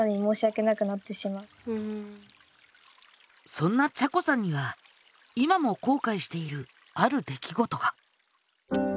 そんなちゃこさんには今も後悔している「ある出来事」が。